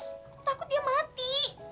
aku takut dia mati